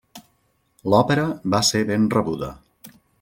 L'òpera va ser ben rebuda.